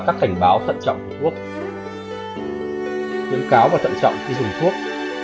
các cảnh báo thận trọng của thuốc khuyến cáo và thận trọng khi dùng thuốc